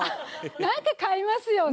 なんか買いますよね！